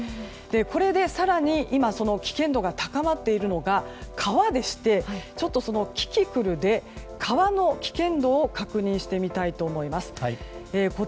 これで更に今、危険度が高まっているのが川でしてキキクルで川の危険度を確認してみます。